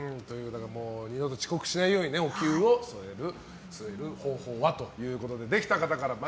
二度と遅刻しないようにお灸を据える方法はということでできた方から。